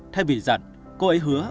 thay vì giận cô ấy hứa